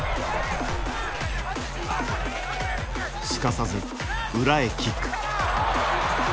すかさず裏へキック。